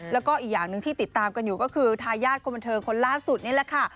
แล้วก็อีกอย่างหนึ่งที่ติดตามกันอยู่ก็คือทายาทคนบันเทิงคนล่าสุดนี่แหละค่ะ